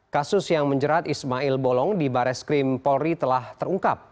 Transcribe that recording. kasus yang menjerat ismail bolong di baris krim polri telah terungkap